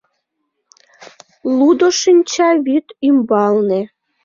Лудо шинча вӱд ӱмбалне